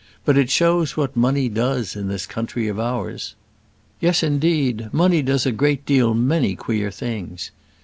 But it shows what money does in this country of ours." "Yes, indeed; money does a great deal many queer things."